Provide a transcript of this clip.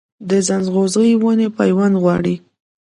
د ځنغوزي ونې پیوند غواړي؟